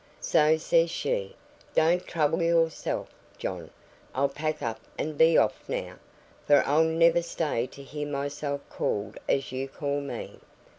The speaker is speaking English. So says she, 'Don't trouble yourself, John. I'll pack up and be off now, for I'll never stay to hear myself called as you call me.'